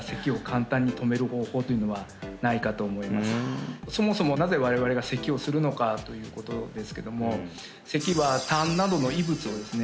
先生そもそもなぜ我々が咳をするのかということですけども咳は痰などの異物をですね